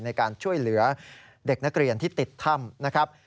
ในการช่วยเหลือเด็กนักเรียนที่ติดถ้ำนะครับ